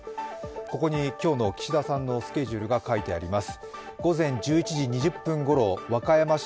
ここに今日の岸田さんのスケジュールが書いてあります。